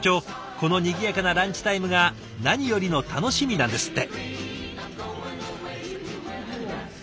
このにぎやかなランチタイムが何よりの楽しみなんですって。